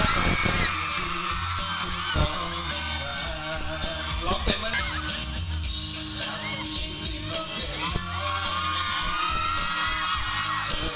มันเป็นตลาดเพราะผู้เธอร้ายจักร